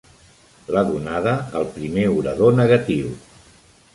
L'ha donada el primer orador negatiu.